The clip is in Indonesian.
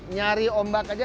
nyari ombak aja